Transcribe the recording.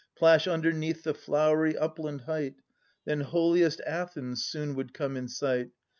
Plash underneath the flowery upland height. Then holiest Athens soon would come in sight.